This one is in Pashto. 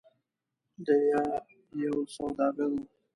د ی یو سوداګر و.